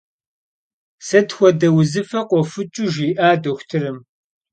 Sıt xuede vuzıfe khofıç'ıu jji'a doxutırım?